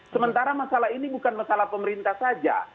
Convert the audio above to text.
sementara masalah ini bukan masalah pemerintah saja